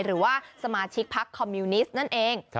หรือว่าสมาชิกพักคอมมิวนิสต์นั่นเอง